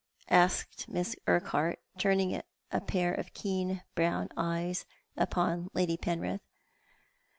asked Miss Urquhart, turning a pair of keen brown eyes upon Lady Penrith.